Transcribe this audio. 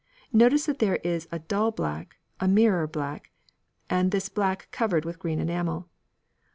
Notice that there is a dull black, a mirror black, and this black covered with green enamel.